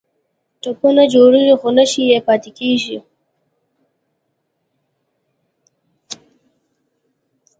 ټپونه جوړیږي خو نښې یې پاتې کیږي.